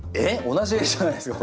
同じ絵じゃないんですか？